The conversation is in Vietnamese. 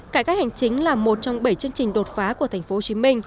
cải cách hành chính là một trong bảy chương trình đột phá của tp hcm